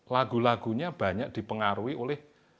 lagu lagunya banyak dipengaruhi oleh